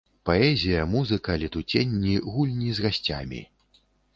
Паэзія, музыка, летуценні, гульні з гасцямі!